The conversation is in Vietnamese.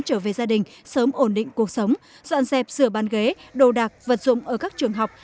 trở về gia đình sớm ổn định cuộc sống dọn dẹp sửa ban ghế đồ đạc vật dụng ở các trường học